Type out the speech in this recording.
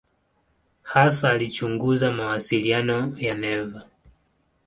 Hasa alichunguza mawasiliano ya neva.